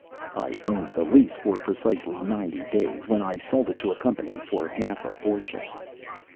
I owned the lease for precisely ninety days, when I sold it to a company for half a fortune.